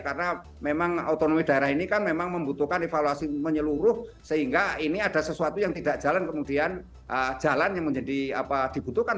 karena memang otonomi daerah ini kan memang membutuhkan evaluasi menyeluruh sehingga ini ada sesuatu yang tidak jalan kemudian jalan yang menjadi dibutuhkan